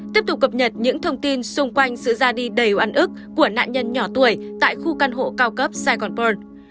tiếp tục cập nhật những thông tin xung quanh sự ra đi đầy ăn ức của nạn nhân nhỏ tuổi tại khu căn hộ cao cấp saigon pron